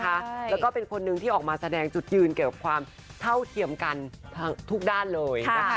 แล้วก็เป็นคนนึงที่ออกมาแสดงจุดยืนเกี่ยวกับความเท่าเทียมกันทุกด้านเลยนะคะ